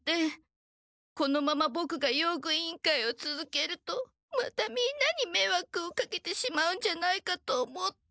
このままボクが用具委員会をつづけるとまたみんなにめいわくをかけてしまうんじゃないかと思って。